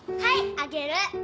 あげる！